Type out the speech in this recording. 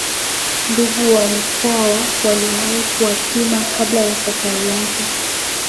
ndugu wa Mkwawa aliowahi kuwapima kabla ya safari yake